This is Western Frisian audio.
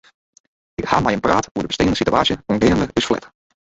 Ik ha mei him praat oer de besteande sitewaasje oangeande ús flat.